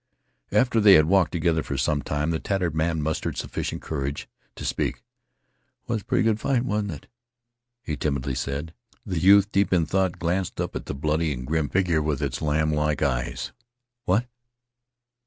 After they had walked together for some time the tattered man mustered sufficient courage to speak. "Was pretty good fight, wa'n't it?" he timidly said. The youth, deep in thought, glanced up at the bloody and grim figure with its lamblike eyes. "What?"